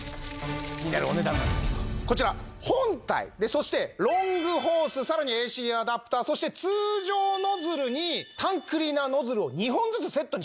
気になるお値段なんですけどこちら本体そしてロングホースさらにＡＣアダプターそして通常ノズルにタンクリーナーノズルを２本ずつセットにしてます。